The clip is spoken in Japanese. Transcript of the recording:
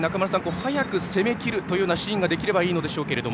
速く攻めきるというシーンができればいいんでしょうけど。